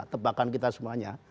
tebakan kita semuanya